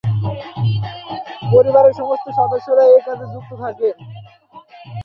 পরিবারের সমস্ত সদস্যরা এই কাজে যুক্ত থাকেন।